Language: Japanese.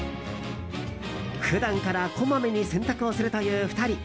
普段からこまめに洗濯をするという２人。